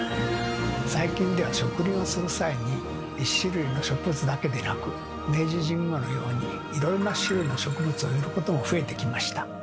最近では植林をする際に１種類の植物だけでなく明治神宮のようにいろいろな種類の植物を植えることも増えてきました。